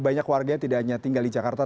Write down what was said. banyak warganya tidak hanya tinggal di jakarta